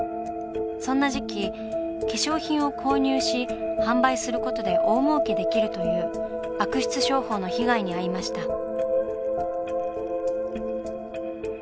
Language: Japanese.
そんな時期化粧品を購入し販売することで大もうけできるという悪質商法の被害に遭いました。